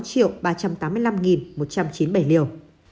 tiêm mũi ba là năm mươi năm một trăm chín mươi bảy liều